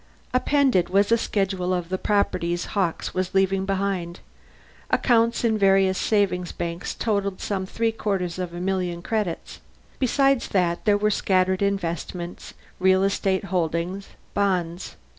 _ Appended was a schedule of the properties Hawkes was leaving behind. Accounts in various savings banks totalled some three quarters of a million credits; besides that, there were scattered investments, real estate holdings, bonds.